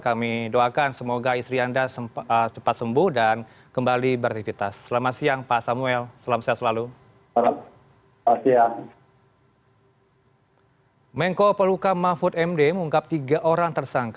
kami doakan semoga istri anda sempat sembuh dan kembali beraktivitas